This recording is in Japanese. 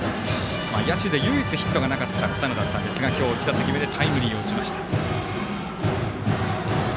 野手で唯一ヒットがなかった草野だったんですが今日、１打席目でタイムリーを打ちました。